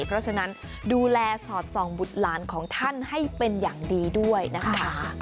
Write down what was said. เพราะฉะนั้นดูแลสอดส่องบุตรหลานของท่านให้เป็นอย่างดีด้วยนะคะ